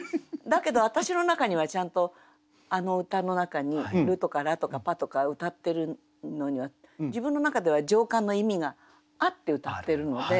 だけど私の中にはちゃんとあの歌の中に「ル」とか「ラ」とか「パ」とか歌ってるのには自分の中では情感の意味があって歌ってるので。